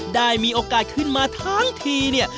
ได้มีโอกาสขึ้นมาทั้งทีเนี่ย